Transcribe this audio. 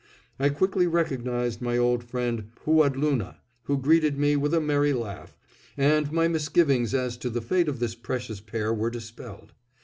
I quickly recognized my old friend Pooadloonah, who greeted me with a merry laugh, and my misgivings as to the fate of this precious pair were dispelled.